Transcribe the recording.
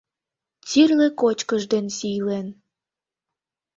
Тӱрлӧ кочкыш ден сийлен